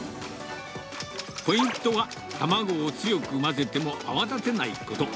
ポイントは、卵を強く混ぜても泡立てないこと。